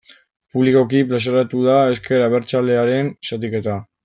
Publikoki plazaratu da ezker abertzalearen zatiketa.